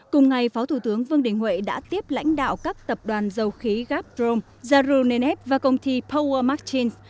cùng ngày phó thủ tướng vương đình huệ đã tiếp lãnh đạo các tập đoàn dầu khí gapdrome zaru nenep và công ty power machines